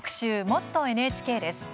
「もっとＮＨＫ」です。